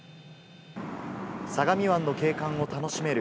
相模湾の景観を楽しめる